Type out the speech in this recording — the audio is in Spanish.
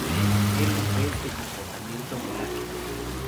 Era un pez de comportamiento pelágico.